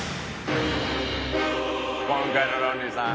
今回のロンリーさん